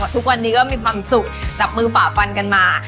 ทุกวันนี้ก็มีความสุขจับมือฝ่าฟันกันมา